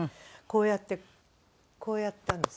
こうやってこうやったんです。